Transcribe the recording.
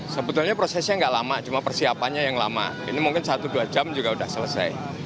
sebetulnya prosesnya nggak lama cuma persiapannya yang lama ini mungkin satu dua jam juga sudah selesai